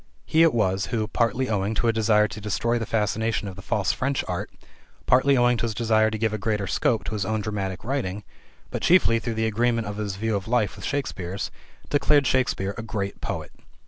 He it was who, partly owing to a desire to destroy the fascination of the false French art, partly owing to his desire to give a greater scope to his own dramatic writing, but chiefly through the agreement of his view of life with Shakespeare's, declared Shakespeare a great poet.